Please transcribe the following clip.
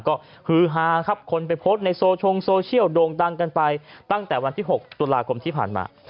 ก็คือฮาครับคนไปโพสต์ในโซชงโซเชียลโด่งดังกันไปตั้งแต่วันที่๖ตุลาคมที่ผ่านมา